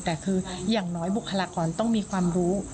แต่คืออย่างน้อยบุคลากรต้องมีความรู้